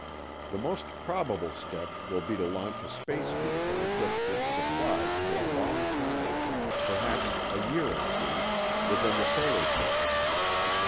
The most probable step will be to launch a space vehicle equipped with supplies for a long time, perhaps a year or two, within the solar system.